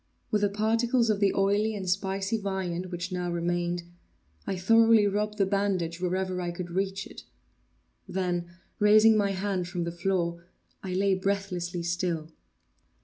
With the particles of the oily and spicy viand which now remained, I thoroughly rubbed the bandage wherever I could reach it; then, raising my hand from the floor, I lay breathlessly still.